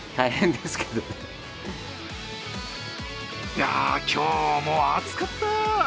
いや、今日も暑かった！